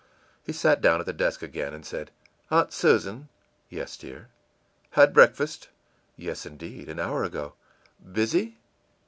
î He sat down at the desk again, and said, ìAunt Susan!î ìYes, dear.î ìHad breakfast?î ìYes, indeed, an hour ago.î ìBusy?